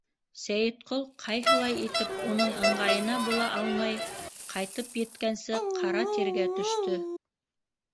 Сәйетҡол ҡайһылай итеп уның ыңғайына була алмай, ҡайтып еткәнсе, ҡара тиргә төштө.